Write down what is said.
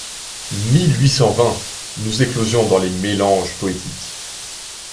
Mil huit cent vingt ! Nous éclosions Dans les mélanges poétiques .